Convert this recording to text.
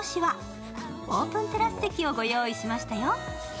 オープンテラス席をご用意しましたよ。